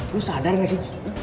lo sadar nggak sih